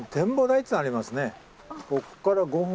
ここから５分。